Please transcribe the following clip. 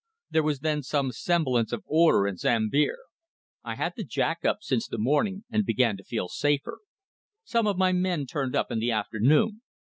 There was then some semblance of order in Sambir. I had the Jack up since the morning and began to feel safer. Some of my men turned up in the afternoon.